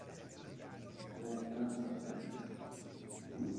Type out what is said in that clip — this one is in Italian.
Porta a Terra